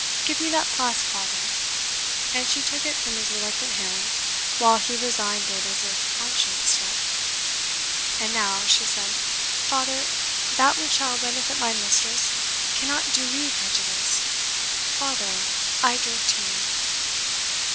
Give me that flask, father" and she took it from his reluctant hand, while he resigned it as if conscience struck. "And now," she said, "father, that which shall benefit my mistress, cannot do ME prejudice. Father, I drink to you."